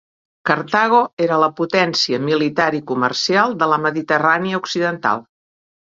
Cartago era la potència militar i comercial de la Mediterrània occidental.